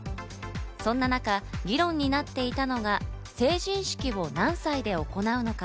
そんな中、議論になっていたのが成人式を何歳で行うのか？